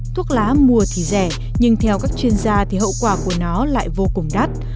thuốc lá mùa thì rẻ nhưng theo các chuyên gia thì hậu quả của nó lại vô cùng đắt